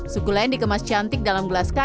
suku len dikemas cantik dalam bentuk yang berbeda